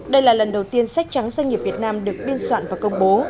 đây là lần đầu tiên sách trắng doanh nghiệp việt nam được biên soạn và công bố